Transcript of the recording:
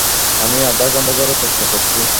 আমি আধা ঘন্টা ধরে চেষ্টা করছি।